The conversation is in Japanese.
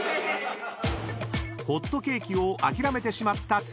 ［ホットケーキを諦めてしまった剛］